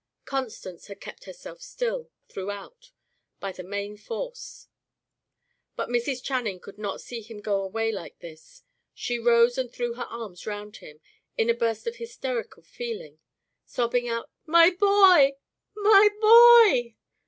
Constance had kept herself still, throughout, by main force; but Mrs. Channing could not see him go away like this. She rose and threw her arms round him, in a burst of hysterical feeling, sobbing out, "My boy! my boy!"